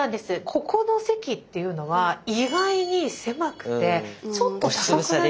ここの席っていうのは意外に狭くてちょっと高くなりませんか？